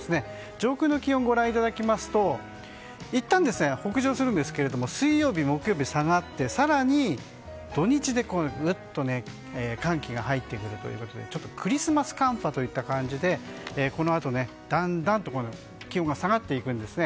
上空の気温をご覧いただきますといったん北上するんですが水曜日、木曜日下がって更に、土日でぐっと寒気が入ってくるということでクリスマス寒波といった感じでこのあと、だんだんと気温が下がっていくんですね。